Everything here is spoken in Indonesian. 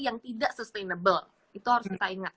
yang tidak sustainable itu harus kita ingat